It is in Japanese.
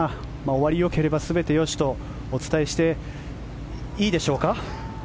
終わりよければ全てよしとお伝えしていいでしょうか。